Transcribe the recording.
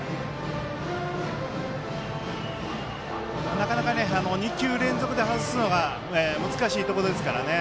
なかなか２球連続で外すのが難しいところですからね。